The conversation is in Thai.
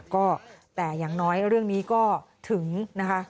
ก็แต่อย่างน้อยเรื่องนี้ก็ถึงนะคะ